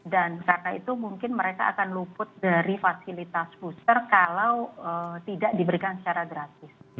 dan karena itu mungkin mereka akan luput dari fasilitas booster kalau tidak diberikan secara gratis